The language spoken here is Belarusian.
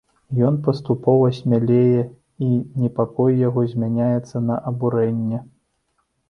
Ён паступова смялее, і непакой яго змяняецца на абурэнне.